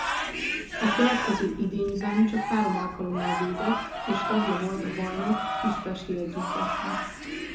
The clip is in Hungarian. A következő idényben csak három alkalommal védett és tagja volt a bajnok kispesti együttesnek.